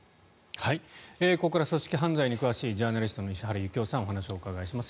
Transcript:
ここからは組織犯罪に詳しいジャーナリストの石原行雄さんにお話をお伺いします。